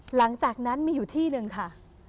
หลังจากนั้นมีอยู่ที่หนึ่งค่ะ